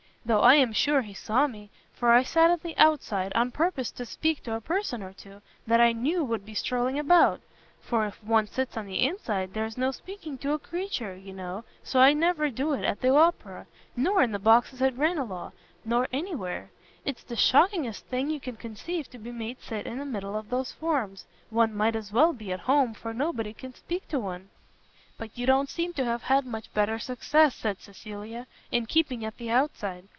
Though I am sure he saw me, for I sat at the outside on purpose to speak to a person or two, that I knew would be strolling about; for if one sits on the inside, there's no speaking to a creature, you know, so I never do it at the Opera, nor in the boxes at Ranelagh, nor any where. It's the shockingest thing you can conceive to be made sit in the middle of those forms; one might as well be at home, for nobody can speak to one." "But you don't seem to have had much better success," said Cecilia, "in keeping at the outside."